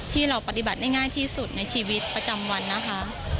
ที่เราปฏิบัติได้ง่ายที่สุดในชีวิตประจำวันนะคะ